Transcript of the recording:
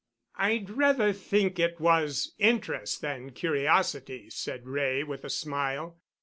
"I'd rather think it was interest than curiosity," said Wray with a smile.